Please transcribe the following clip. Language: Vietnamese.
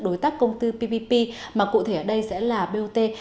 đối tác công tư ppp mà cụ thể ở đây sẽ là bot